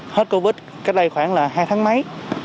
hết covid cách đây khoảng là hai tháng mấy